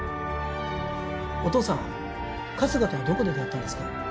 お父さん春日とはどこで出会ったんですか？